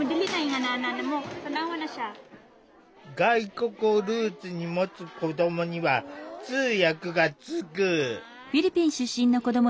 外国をルーツにもつ子どもには通訳がつく。